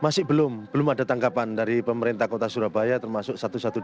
masih belum belum ada tanggapan dari pemerintah kota surabaya termasuk satu ratus dua belas